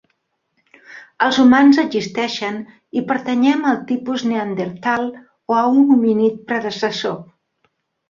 Els humans existeixen i pertanyem al tipus Neandertal, o a un homínid predecessor.